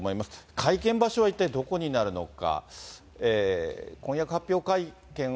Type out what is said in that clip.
会見場所は一体どこになるのか。